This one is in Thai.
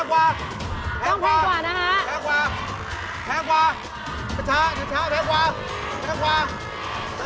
แพงกว่าสะช้าอย่าช่าแพงกว่า